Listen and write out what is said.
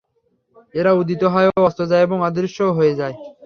এরা উদিত হয় ও অস্ত যায় এবং অদৃশ্যও হয়ে যায়।